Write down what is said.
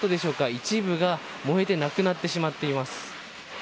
一部が燃えてなくなってしまっています。